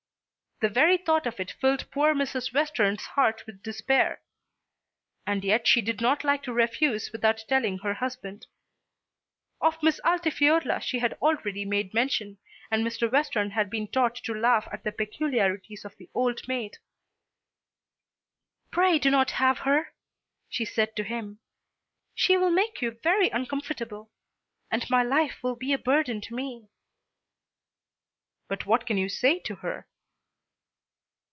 The very thought of it filled poor Mrs. Western's heart with despair. And yet she did not like to refuse without telling her husband. Of Miss Altifiorla she had already made mention, and Mr. Western had been taught to laugh at the peculiarities of the old maid. "Pray do not have her," she said to him. "She will make you very uncomfortable, and my life will be a burden to me." "But what can you say to her?"